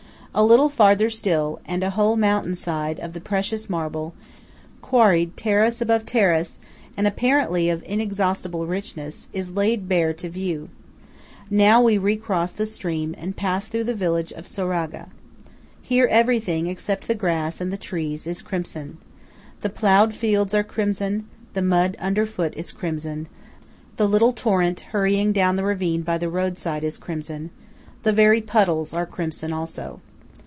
A little farther still, and a whole mountain side of the precious marble, quarried terrace above terrace, and apparently of inexhaustible richness, is laid bare to view. Now we recross the stream, and pass through the village of Soraga. Here everything, except the grass and the trees, is crimson. The ploughed fields are crimson; the mud underfoot is crimson; the little torrent hurrying down the ravine by the roadside is crimson; the very puddles are crimson also.